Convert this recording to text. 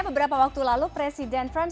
beberapa waktu lalu presiden trump